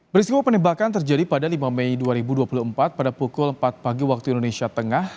peristiwa penembakan terjadi pada lima mei dua ribu dua puluh empat pada pukul empat pagi waktu indonesia tengah